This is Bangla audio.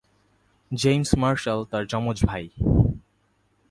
জেমস মার্শাল তার যমজ ভাই।